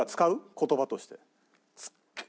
言葉として。